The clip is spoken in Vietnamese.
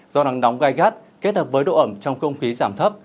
do nắng nóng gai gắt kết hợp với độ ẩm trong không khí giảm thấp